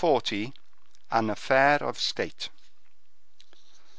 An Affair of State.